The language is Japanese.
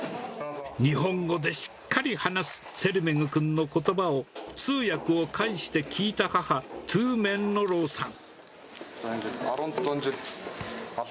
日本語でしっかり話すツェルメグ君のことばを通訳を介して聞いた母、トゥメンノロウさん。